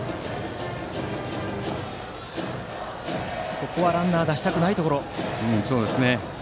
ここはランナーを出したくないところ。